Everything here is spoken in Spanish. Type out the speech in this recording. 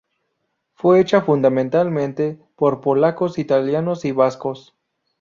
Fue hecha fundamentalmente por polacos, italianos y vascos.